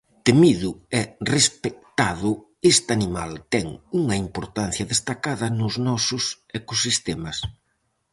Temido e respectado, este animal ten unha importancia destacada nos nosos ecosistemas.